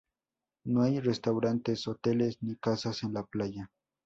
No hay restaurantes, hoteles ni casas en la playa.